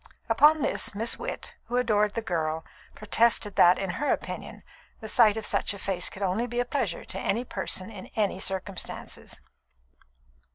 Upon this, Miss Witt, who adored the girl, protested that, in her opinion, the sight of such a face could only be a pleasure to any person and in any circumstances.